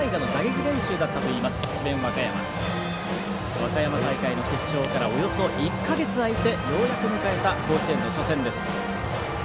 和歌山大会の決勝からおよそ１か月空いてようやく迎えた甲子園の初戦です。